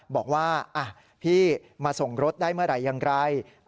บอกว่าพี่มาส่งรถได้เมื่อไหร่อย่างไร